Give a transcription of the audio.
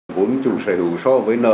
vốn chủ sở hữu so với nợ